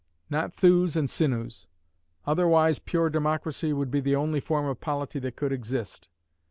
Not thews and sinews; otherwise pure democracy would be the only form of polity that could exist.